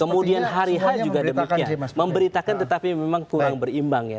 kemudian hari h juga demikian memberitakan tetapi memang kurang berimbang ya